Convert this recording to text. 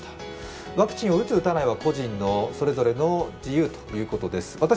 ワクチンを打つ、打たないは個人のそれぞれの自由ということですね。